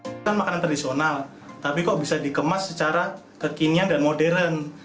bukan makanan tradisional tapi kok bisa dikemas secara kekinian dan modern